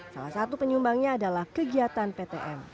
salah satu penyumbangnya adalah kegiatan ptm